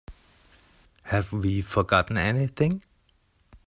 Have we forgotten anything?